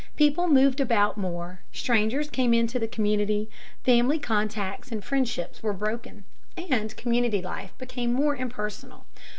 People moved about more, strangers came into the community, family contacts and friendships were broken, and community life became more impersonal.